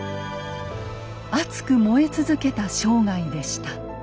熱く燃え続けた生涯でした。